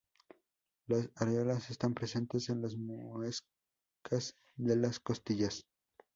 Las areolas están presentes en las muescas de las costillas.